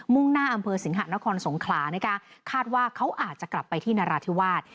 ่งหน้าอำเภอสิงหะนครสงขลานะคะคาดว่าเขาอาจจะกลับไปที่นราธิวาส